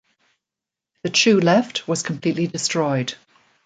The Chu left was completely destroyed.